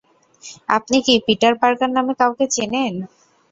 আপনি কি Peter Parker নামে কাউকে চেনেন।